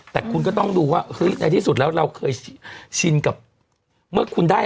แต่คุณก็ต้องดูว่าเฮ้ยในที่สุดแล้วเราเคยชินกับเมื่อคุณได้